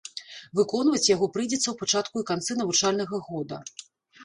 Выконваць яго прыйдзецца ў пачатку і канцы навучальнага года.